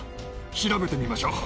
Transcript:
調べてみましょう。